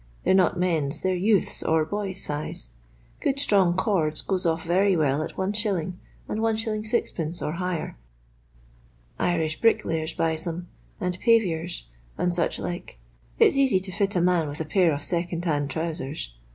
They 're not men's, they 're youth's or boy's size. Good strong cords goes off very well at It. and It. Qd., or higher. Irish bricklayers buys them, and paviours, arid such like. It's easy to fit a man with a pair of second hand trousers.